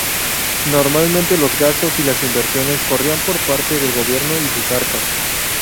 Normalmente los gastos y las inversiones corrían por parte del gobierno y sus arcas.